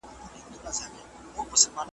تاسو د کومو موضوعاتو په اړه پلټنه کوئ؟